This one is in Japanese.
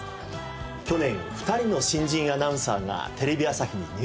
去年２人の新人アナウンサーがテレビ朝日に入社しました。